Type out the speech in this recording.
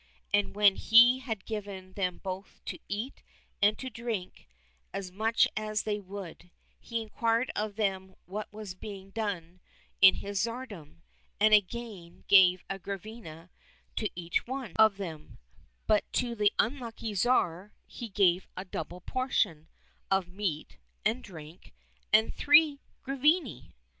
And when he had given them both to eat and to drink as much as they would, he inquired of them what was being done in his tsardom, and again gave a grivna to each one ^ About twopence halfpenny. 179 COSSACK FAIRY TALES of them ; but to the unlucky Tsar he gave a double portion of meat and drink and three grivni.